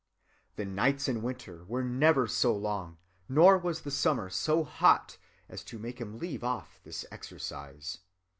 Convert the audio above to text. The nights in winter were never so long, nor was the summer so hot, as to make him leave off this exercise.